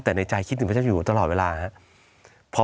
แต่ในใจคิดถึงพระเจ้าอยู่ตลอดเวลาครับ